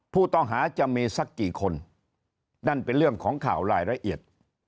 ผู้ต้องหาจะมีสักกี่คนนั่นเป็นเรื่องของข่าวรายละเอียด